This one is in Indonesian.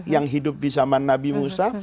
yang hidup di zaman nabi musa